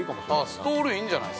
◆あ、ストールいいんじゃない。